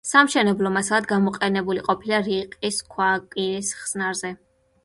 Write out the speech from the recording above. სამშენებლო მასალად გამოყენებული ყოფილა რიყის ქვა კირის ხსნარზე.